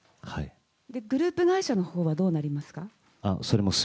グループ会社のほうはどうなりますか。